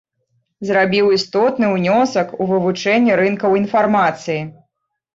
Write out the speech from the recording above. Зрабіў істотны ўнёсак у вывучэнне рынкаў інфармацыі.